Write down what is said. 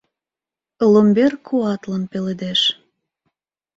Ломбер куатлын пеледеш.